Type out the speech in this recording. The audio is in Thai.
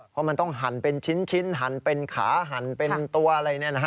เพราะมันต้องหั่นเป็นชิ้นหั่นเป็นขาหั่นเป็นตัวอะไร